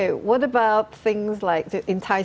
yang membuat anda tertarik